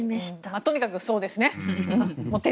とにかくそうですね。